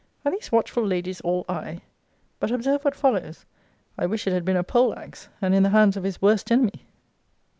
* Are these watchful ladies all eye? But observe what follows; 'I wish it had been a poll axe, and in the hands of his worst enemy.'